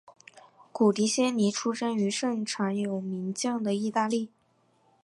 古迪仙尼出生于盛产有名门将的意大利。